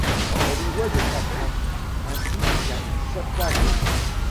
Elle y voit des chattrains ainsi qu'un chatavion.